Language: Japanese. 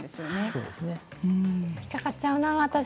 引っ掛かっちゃうな私。